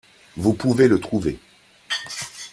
Vous pouvez le trouver.